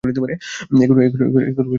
এগুলো হলো উপহার।